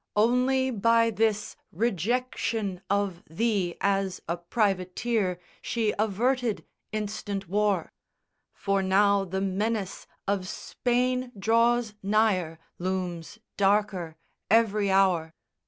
Only by this Rejection of thee as a privateer She averted instant war; for now the menace Of Spain draws nigher, looms darker every hour.